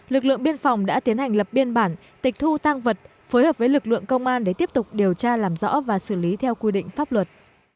lực lượng biên phòng đã tiến hành lập biên bản tịch thu tăng vật phối hợp với lực lượng công an để tiếp tục điều tra làm rõ và xử lý theo quy định pháp luật